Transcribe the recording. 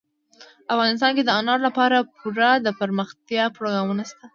افغانستان کې د انارو لپاره پوره دپرمختیا پروګرامونه شته دي.